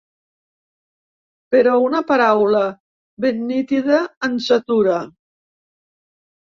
Però una paraula ben nítida ens atura.